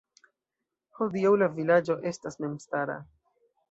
Hodiaŭ la vilaĝo estas memstara.